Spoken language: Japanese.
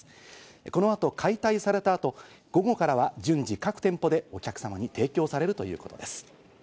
この後、解体された後、午後からは順次、各店舗でお客様に提供されるということです。